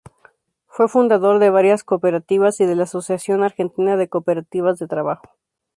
Fue fundador de varias cooperativas y de la Asociación Argentina de Cooperativas de Trabajo.